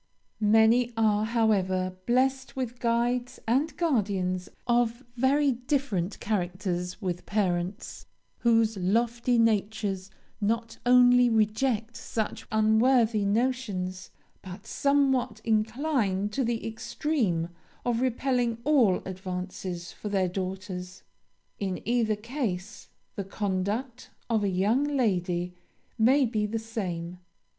"Many are, however, blessed with guides and guardians of very different characters; with parents, whose lofty natures not only reject such unworthy notions, but somewhat incline to the extreme of repelling all advances for their daughters. In either case, the conduct of a young lady may be the same.